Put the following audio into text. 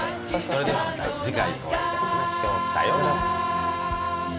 それではまた次回お会いいたしましょうさよなら。